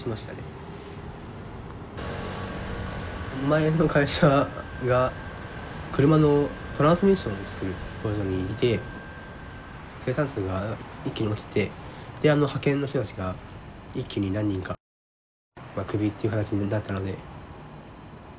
前の会社が車のトランスミッションを作る工場にいて生産数が一気に落ちてで派遣の人たちが一気に何人かクビっていう形になったので。